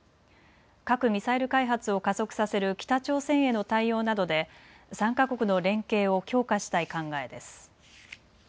核・ミサイル開発を加速させる北朝鮮への対応などで３か国の連携を強化したい考えです。